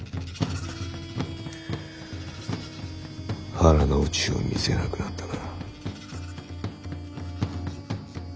腹の内を見せなくなったな。